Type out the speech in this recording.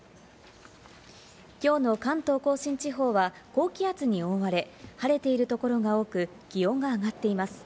きょうの関東甲信地方は高気圧に覆われ、晴れているところが多く、気温が上がっています。